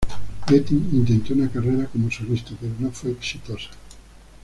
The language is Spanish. Getty intentó una carrera como solista pero no fue exitosa.